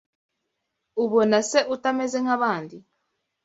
ubona se utameze nk’abandi